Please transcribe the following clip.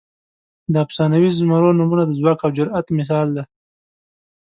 د افسانوي زمرو نومونه د ځواک او جرئت مثال دي.